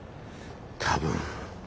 多分。